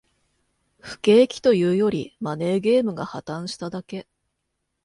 不景気というより、マネーゲームが破綻しただけ